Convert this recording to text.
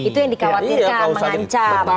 itu yang dikhawatirkan mengancam